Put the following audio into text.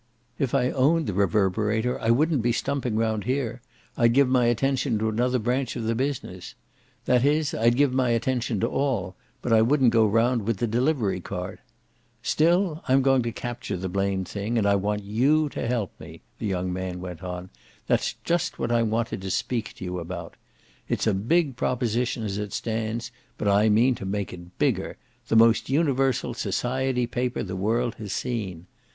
If I owned the Reverberator I wouldn't be stumping round here; I'd give my attention to another branch of the business. That is I'd give my attention to all, but I wouldn't go round with the delivery cart. Still, I'm going to capture the blamed thing, and I want you to help me," the young man went on; "that's just what I wanted to speak to you about. It's a big proposition as it stands, but I mean to make it bigger: the most universal society paper the world has seen.